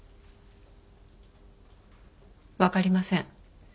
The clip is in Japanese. わかりません。